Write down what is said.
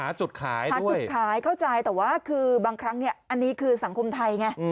หาจุดขายข้าวใจแต่ว่าคือบางครั้งอันนี้คือสังคมไทยไง